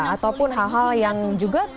ataupun hal hal yang juga